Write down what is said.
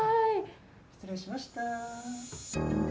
失礼しました。